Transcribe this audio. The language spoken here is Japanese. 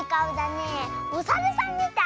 おさるさんみたい。